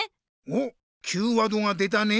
おっＱワードが出たね。